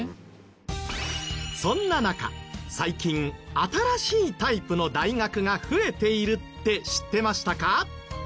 そんな中最近新しいタイプの大学が増えているって知ってましたか？